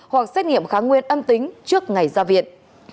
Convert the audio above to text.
hoặc xét nghiệm kháng nguyên âm tính trước ngày ra viện